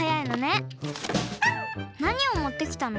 なにをもってきたの？